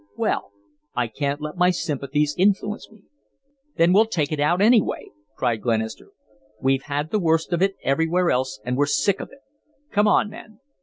"Well, I can't let my sympathies influence me" "Then we'll take it out, anyway," cried Glenister. "We've had the worst of it everywhere else and we're sick of it. Come on, men."